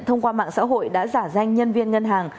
thông qua mạng xã hội đã giả danh nhân viên ngân hàng